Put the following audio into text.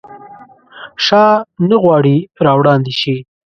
شاه نه غواړي راوړاندي شي.